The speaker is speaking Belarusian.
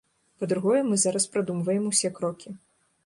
Па-другое, мы зараз прадумваем усе крокі.